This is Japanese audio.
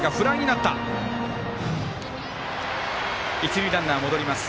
一塁ランナー、戻ります。